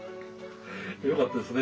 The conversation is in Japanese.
よかったですね。